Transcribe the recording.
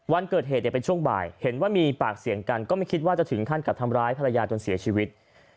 วันเกิดเหตุเนี่ยเป็นช่วงบ่ายเห็นว่ามีปากเสียงกันก็ไม่คิดว่าจะถึงขั้นกับทำร้ายภรรยาจนเสียชีวิต